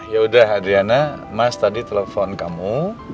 yaudah adriana mas tadi telfon kamu